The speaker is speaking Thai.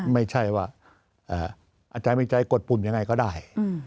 ไม่ใช่ว่าอาจารย์มีใจกดปุ่นยังไงก็ได้